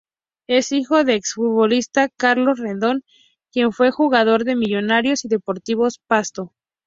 Es hijo del exfutbolista Carlos Rendón, quien fue jugador de Millonarios y Deportivo Pasto.